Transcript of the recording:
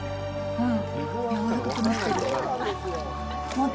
うん！